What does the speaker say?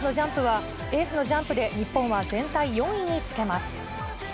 エースのジャンプで、日本は全体４位につけます。